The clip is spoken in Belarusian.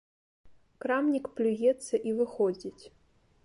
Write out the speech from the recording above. Крамнік плюецца і выходзіць.